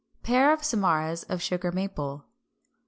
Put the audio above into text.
Pair of samaras of Sugar Maple.